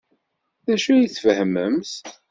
D acu ay tfehmemt?